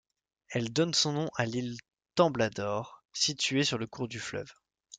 Elle donne son nom à l'île Temblador située sur le cours du fleuve.